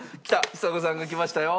ちさ子さんがきましたよ。